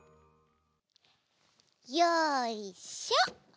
よいしょ！